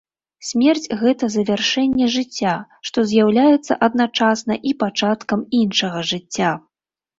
Смерць гэта завяршэнне жыцця, што з'яўляецца адначасна і пачаткам іншага жыцця.